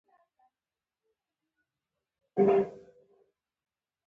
ستا کور چيري دی.